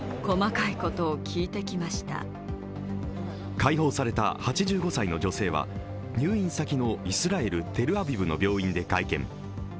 解放された８５歳の女性は入院先のイスラエル・テルアビブの病院で会見。